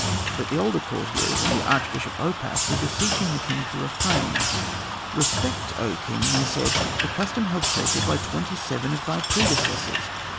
But the older courtiers and the archbishop Oppas were beseeching the king to refrain. "Respect, O king," they said, "the custom held sacred by twenty seven of thy predecessors.